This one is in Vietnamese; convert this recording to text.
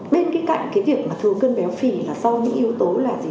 bên cái cạnh cái việc mà thừa cân béo phì là do những yếu tố là gì